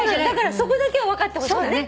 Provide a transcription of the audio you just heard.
だからそこだけは分かってほしい。